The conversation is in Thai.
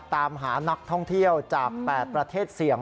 ตามหานักท่องเที่ยวจาก๘ประเทศเสี่ยง